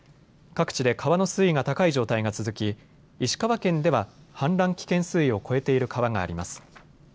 各地で川の水位が高い状態が続き石川県では氾濫危険水位を超えている川があります。